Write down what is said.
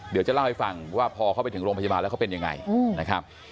เดี๋ยวจะเล่าให้ฟังว่าพอเขาไปถึงโรงพยาบาลแล้วเขาเป็นยังไงนะครับ